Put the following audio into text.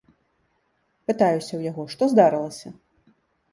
Пытаюся ў яго, што здарылася?